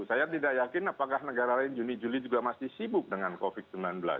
saya tidak yakin apakah negara lain juni juli juga masih sibuk dengan covid sembilan belas